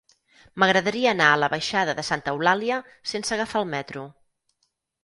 M'agradaria anar a la baixada de Santa Eulàlia sense agafar el metro.